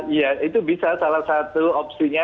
iya itu bisa salah satu opsinya